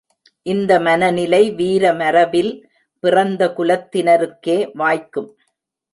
இந்த மனநிலை வீரமரபில் பிறந்த குலத்தினருக்கே வாய்க்கும்.